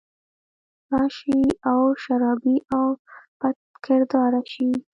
راشي او شرابي او بدکرداره شي